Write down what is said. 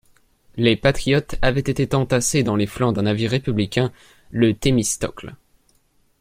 Les patriotes avaient été entassés dans les flancs d'un navire républicain, le Thémistocle.